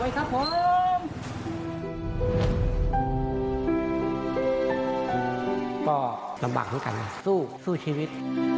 ก็ลำบากเหมือนกันนะสู้ชีวิต